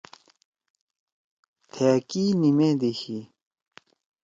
تھأ کی نِمادی شی؟